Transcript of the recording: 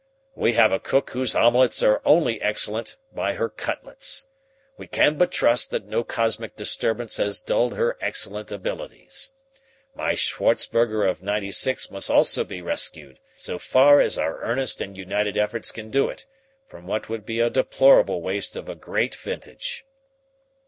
"We have a cook whose omelettes are only excelled by her cutlets. We can but trust that no cosmic disturbance has dulled her excellent abilities. My Scharzberger of '96 must also be rescued, so far as our earnest and united efforts can do it, from what would be a deplorable waste of a great vintage."